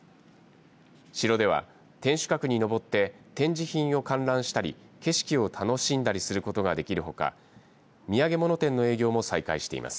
城では天守閣に上って展示品を観覧したり景色を楽しんだりすることができるほか土産物店の営業も再開しています。